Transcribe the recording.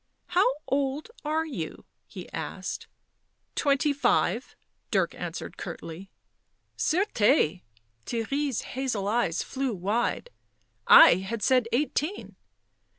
" How old are you?" he asked. " Twenty five," Dirk answered curtly. " Certes!" Theirry's hazel eyes flew wide. " I had said eighteen."